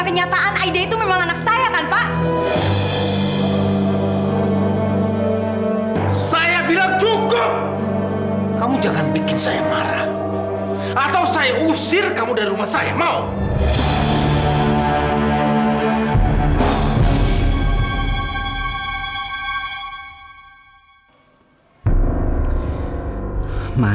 kenyataan aida itu memang anak saya kan pak saya bilang cukup kamu jangan bikin saya marah atau saya usir kamu dari rumah saya mau